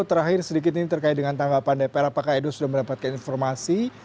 terakhir sedikit ini terkait dengan tanggapan dpr apakah edo sudah mendapatkan informasi